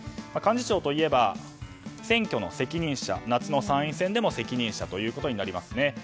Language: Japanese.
幹事長といえば選挙の責任者夏の参院選でも責任者ということになりますね。